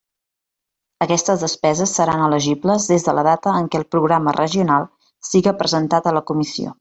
Aquestes despeses seran elegibles des de la data en què el programa regional siga presentat a la Comissió.